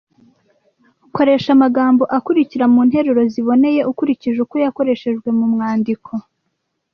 Koresha amagambo akurikira mu nteruro ziboneye ukurikije uko yakoreshejwe mu mwandiko